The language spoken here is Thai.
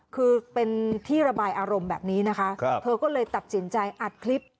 คือเป็นที่ระบายอารมณ์แบบนี้นะคะเธอก็เลยตัดสินใจอัดคลิป